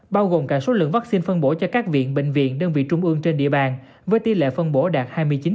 bao gồm cả số lượng vaccine phân bổ cho các viện bệnh viện đơn vị trung ương trên địa bàn với tỷ lệ phân bổ đạt hai mươi chín